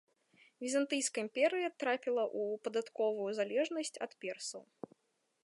Візантыйская імперыя трапіла ў падатковую залежнасць ад персаў.